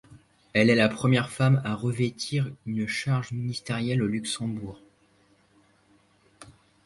Elle est la première femme à revêtir une charge ministérielle au Luxembourg.